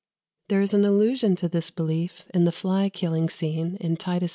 There is an allusion to this belief in the fly killing scene in "Titus Andronicus."